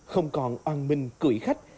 không còn oan minh cưỡi khách